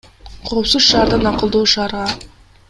Коопсуз шаардан акылдуу шаарга